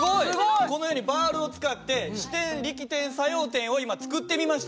このようにバールを使って支点力点作用点を今作ってみました。